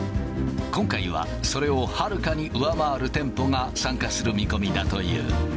今回はそれをはるかに上回る店舗が参加する見込みだという。